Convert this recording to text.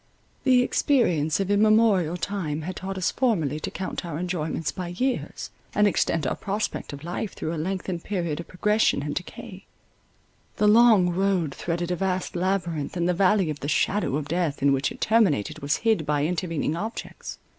The experience of immemorial time had taught us formerly to count our enjoyments by years, and extend our prospect of life through a lengthened period of progression and decay; the long road threaded a vast labyrinth, and the Valley of the Shadow of Death, in which it terminated, was hid by intervening objects.